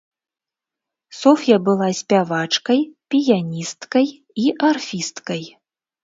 Соф'я была спявачкай, піяністкай і арфісткай.